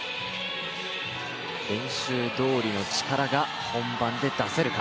練習どおりの力が本番で出せるか。